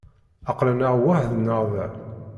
Aql-aneɣ weḥd-neɣ da.